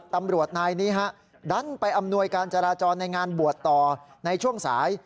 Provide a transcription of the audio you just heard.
ตำรวจนายนี้ฮะดันไปอำนวยการจราจรในงานบวชต่อในช่วงสาย